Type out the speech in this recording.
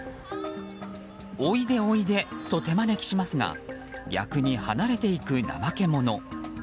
おいで、おいで！と手招きしますが逆に離れていくナマケモノ。